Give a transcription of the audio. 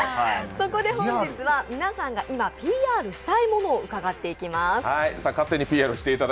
そこで本日は皆さんが今、ＰＲしたいものを伺っていきます。